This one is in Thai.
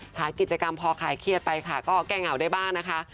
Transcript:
หากิจกรรมพอขายเครียดไปค่ะก็แก้เหงาได้บ้างนะคะ